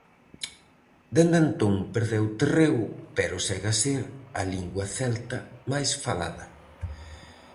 Dende entón perdeu terreo, pero segue a ser a lingua celta máis falada.